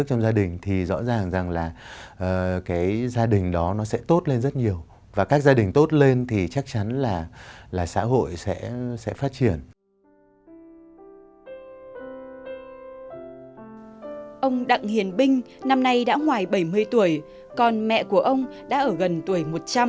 ông đặng hiền binh năm nay đã ngoài bảy mươi tuổi còn mẹ của ông đã ở gần tuổi một trăm linh